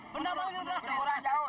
pendapatan berkurang jauh